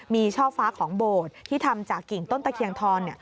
มีช่อฟ้าของโบสถ์ที่ทำจากกิ่งต้นตะเคียนทอน